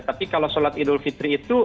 tapi kalau sholat idul fitri itu